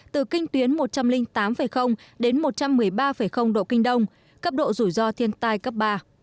từ kinh tuyến một trăm linh tám đến một trăm một mươi ba độ kinh đông cấp độ rủi ro thiên tai cấp ba